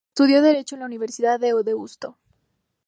Estudió Derecho en la Universidad de Deusto.